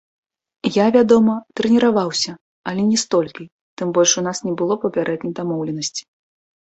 Я, вядома, трэніраваўся, але не столькі, тым больш у нас не было папярэдняй дамоўленасці.